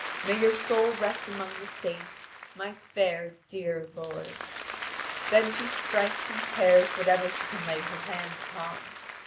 May your soul rest among the saints, my fair dear lord." Then she strikes and tears whatever she can lay her hands upon.